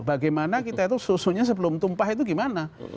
bagaimana kita itu susunya sebelum tumpah itu gimana